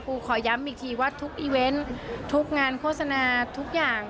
ขอย้ำอีกทีว่าทุกอีเวนต์ทุกงานโฆษณาทุกอย่าง